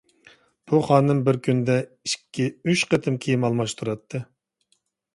بۇ خانىم بىر كۈندە ئىككى-ئۈچ قېتىم كىيىم ئالماشتۇراتتى.